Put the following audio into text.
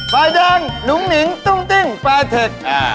ฝ่ายดังหนุ่มหนิงตุ้งติ้งแปลเทศ